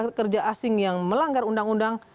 tenaga kerja asing yang melanggar undang undang